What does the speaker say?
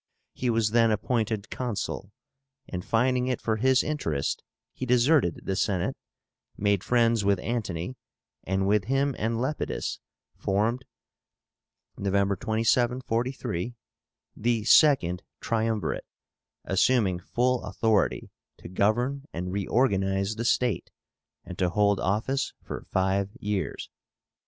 He was then appointed Consul, and, finding it for his interest, he deserted the Senate, made friends with Antony, and with him and Lepidus formed (27 November, 43) the SECOND TRIUMVIRATE, assuming full authority to govern and reorganize the state, and to hold office for five years.